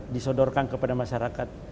disodorkan kepada masyarakat